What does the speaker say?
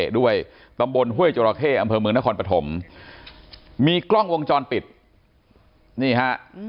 ด้วยตำบลห้วยจราเข้อำเภอเมืองนครปฐมมีกล้องวงจรปิดนี่ฮะ